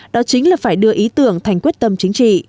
đó chính là phải đưa ý tưởng thành quyết tâm chính trị